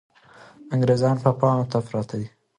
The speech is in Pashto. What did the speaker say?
انګریزان پاڼو ته پراته دي.